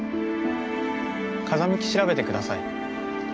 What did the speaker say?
風向き調べてください。